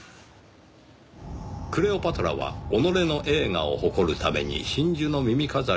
「クレオパトラは己の栄華を誇るために真珠の耳飾りを酢で溶かして飲んでみせた」とか。